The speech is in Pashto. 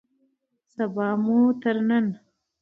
سبا مو تر نن